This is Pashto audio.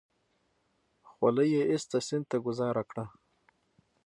خولۍ يې ايسته سيند ته گوزار کړه.